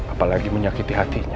apalagi menyakiti hatinya